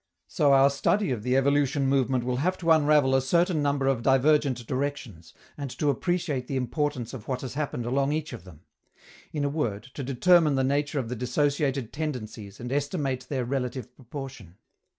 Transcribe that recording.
So our study of the evolution movement will have to unravel a certain number of divergent directions, and to appreciate the importance of what has happened along each of them in a word, to determine the nature of the dissociated tendencies and estimate their relative proportion.